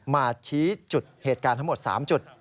มาชี้จุดเหตุการณ์ทั้งหมด๓จุด